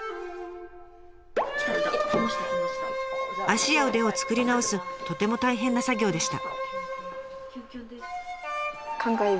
足や腕を作り直すとても大変な作業でした。